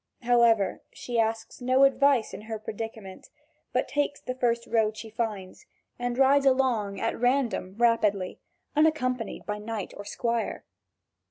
However, she asks no advice in her predicament, but takes the first road she finds, and rides along at random rapidly, unaccompanied by knight or squire.